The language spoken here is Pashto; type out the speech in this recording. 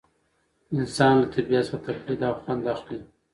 انسان له طبیعت څخه تقلید او خوند اخلي.